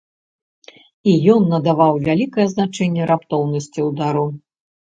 І ён надаваў вялікае значэнне раптоўнасці ўдару.